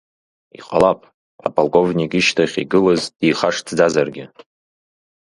Иҟалап, аполковник ишьҭахь игылаз дихашҭӡазаргьы.